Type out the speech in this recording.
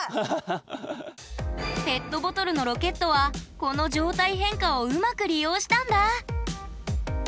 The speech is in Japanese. ペットボトルのロケットはこの状態変化をうまく利用したんだ。